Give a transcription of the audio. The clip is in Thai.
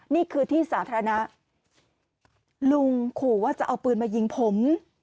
นี่คือที่สาธารณะลุงขู่ว่าจะเอาปืนมายิงผม